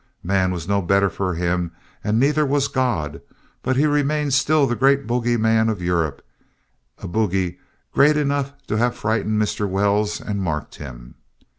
Man was no better for him and neither was God, but he remains still the great bogy man of Europe, a bogy great enough to have frightened Mr. Wells and marked him.